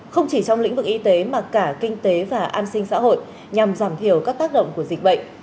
không chỉ trong lĩnh vực y tế mà cả kinh tế và an sinh xã hội nhằm giảm thiểu các tác động của dịch bệnh